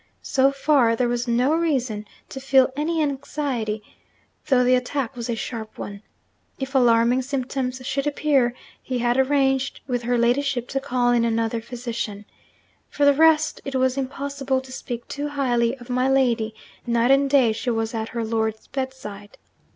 So far, there was no reason to feel any anxiety, though the attack was a sharp one. If alarming symptoms should appear, he had arranged with her ladyship to call in another physician. For the rest, it was impossible to speak too highly of my lady; night and day, she was at her lord's bedside.